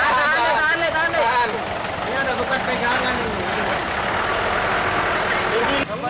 ini ada bekas pegangan